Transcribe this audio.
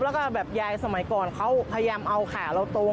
แล้วก็แบบยายสมัยก่อนเขาพยายามเอาขาเราตรง